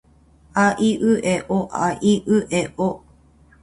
あいうえおあいうえお